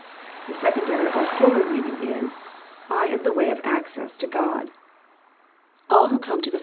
— The secondary or fuller meaning Is, "I am the Way of access to God. All who come to the JOHN, CHAP.